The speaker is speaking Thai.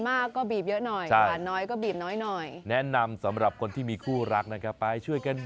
มากก็บีบเยอะหน่อยแน่นนำสำหรับคนที่มีคู่รักใบ้กัน